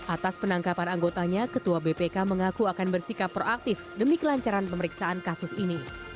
atas penangkapan anggotanya ketua bpk mengaku akan bersikap proaktif demi kelancaran pemeriksaan kasus ini